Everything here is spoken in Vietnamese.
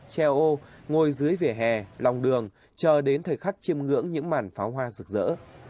treo ô ngồi dưới vỉa hè lòng đường chờ đến thời khắc chiêm ngưỡng những màn pháo hoa rực rỡ